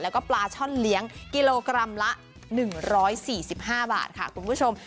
แล้วก็ปลาช่อนเลี้ยงกิโลกรัมละ๑๔๕บาทค่ะคุณผู้ชม